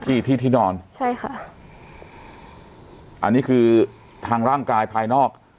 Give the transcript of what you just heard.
ที่ที่นอนใช่ค่ะอันนี้คือทางร่างกายภายนอก